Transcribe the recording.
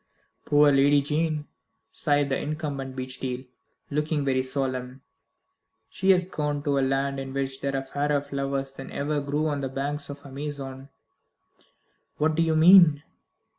"Poor Lady Jane!" sighed the incumbent of Beechdale, looking very solemn, "she has gone to a land in which there are fairer flowers than ever grew on the banks of the Amazon." "What do you mean?"